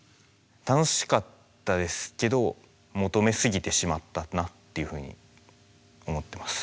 楽しかったですけど求めすぎてしまったなっていうふうに思ってます。